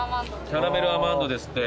キャラメルアマンドですって。